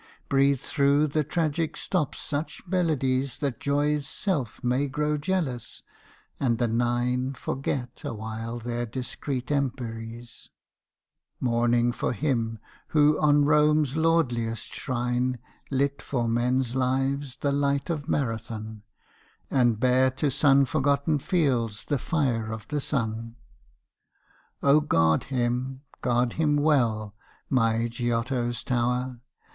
Breathe through the tragic stops such melodies That Joy's self may grow jealous, and the Nine Forget awhile their discreet emperies, Mourning for him who on Rome's lordliest shrine Lit for men's lives the light of Marathon, And bare to sun forgotten fields the fire of the sun! O guard him, guard him well, my Giotto's tower!